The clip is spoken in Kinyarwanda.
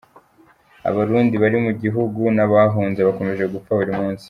Abarundi bari mu gihugu n’abahunze bakomeje gupfa buri munsi.